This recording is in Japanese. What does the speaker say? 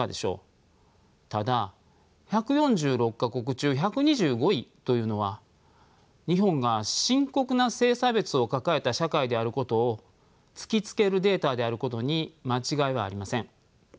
ただ１４６か国中１２５位というのは日本が深刻な性差別を抱えた社会であることを突きつけるデータであることに間違いはありません。